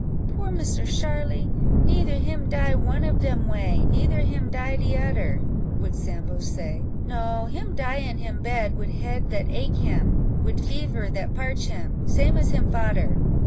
"Poor Misser Sharly! neither him die one of dem way, neither him die de oder," would Sambo say: "no, him die in him bed, wid head that ache him, wid fever that parch him, same as him fader.